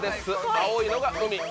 青いのが海。